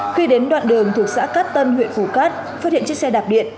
khi đến đoạn đường thuộc xã cát tân huyện phủ cát phát hiện chiếc xe đạp điện